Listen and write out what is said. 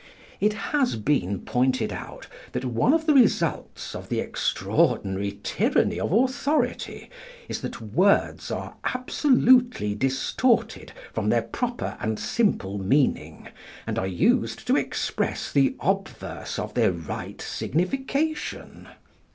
It has been pointed out that one of the results of the extraordinary tyranny of authority is that words are absolutely distorted from their proper and simple meaning, and are used to express the obverse of their right signification.